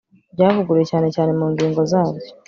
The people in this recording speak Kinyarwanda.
ryavuguruwe cyane cyane mu ngingo zaryo